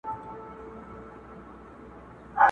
سوال جواب د اور لمبې د اور ګروزونه!.